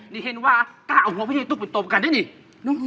นี่เห็นว่ากล้าเอาหัวพระเย็นตุ๊กเป็นตาปกรรณได้หนิ